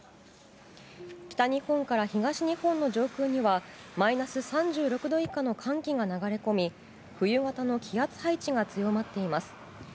北日本から東日本の上空にはマイナス３６度以下の寒気が流れ込み冬型の気圧配置が強まっています。